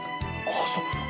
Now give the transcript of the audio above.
ああそう。